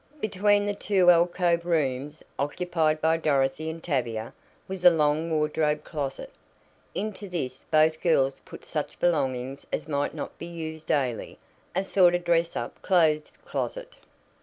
Between the two alcove rooms, occupied by Dorothy and Tavia, was a long wardrobe closet. Into this both girls put such belongings as might not be used daily a sort of "dress up" clothes' closet.